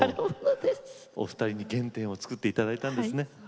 お二人に元気を作っていただいたんですね。